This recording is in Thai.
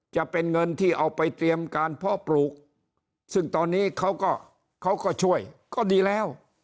จะเป็นเงินที่เอาไปเตรียมการเพาะปลูกซึ่งตอนนี้เขาก็เขาก็ช่วยก็ดีแล้ว